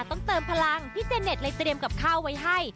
ต้องเติมพลังพี่เจเน็ตเลยเตรียมกับข้าวไว้ให้